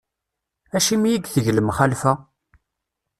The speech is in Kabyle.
Acimi i iteg lemxalfa?